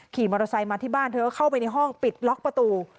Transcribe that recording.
ขี่มอเตอร์ไซค์มาที่บ้านเธอก็เข้าไปในห้องปิดล็อกประตู